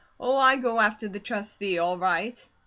Oh, I go after the Trustee, all right!"